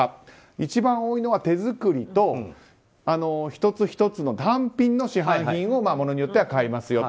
一番多いのは手作りと１つ１つの単品の市販品を物によっては買いますよと。